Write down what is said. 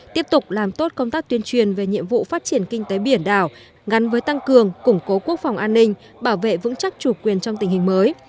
tiếp tục làm tốt công tác tuyên truyền về nhiệm vụ phát triển kinh tế biển đảo gắn với tăng cường củng cố quốc phòng an ninh bảo vệ vững chắc chủ quyền trong tình hình mới